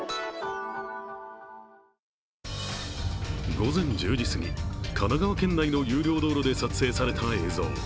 午前１０時すぎ、神奈川県内の有料道路で撮影された映像。